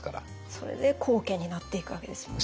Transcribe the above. それで高家になっていくわけですもんね。